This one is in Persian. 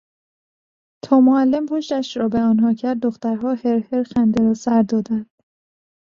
تا معلم پشتش را به آنها کرد دخترها هرهر خنده را سر دادند.